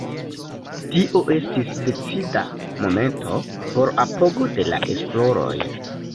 Tio estis decida momento por apogo de la esploroj.